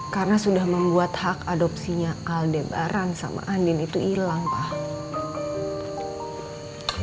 karena sudah membuat hak adopsinya aldebaran sama andin itu hilang papa